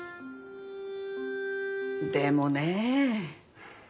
でもねえ。